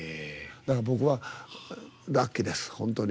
僕は、ラッキーです、本当に。